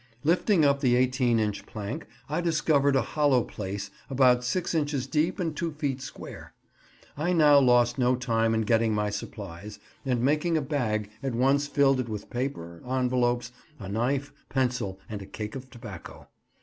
Lifting up the eighteen inch plank, I discovered a hollow place about six inches deep and two feet square. I now lost no time in getting my supplies, and, making a bag, at once filled it with paper, envelopes, a knife, pencil, and a cake of tobacco.